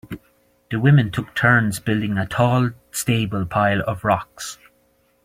The women took turns building a tall stable pile of rocks.